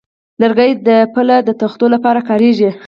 لرګی د پله د تختو لپاره کارېږي.